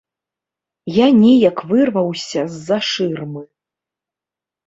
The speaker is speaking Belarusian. Я неяк вырваўся з-за шырмы.